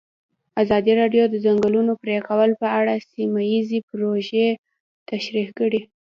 ازادي راډیو د د ځنګلونو پرېکول په اړه سیمه ییزې پروژې تشریح کړې.